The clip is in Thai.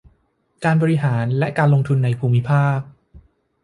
การบริการและการลงทุนในภูมิภาค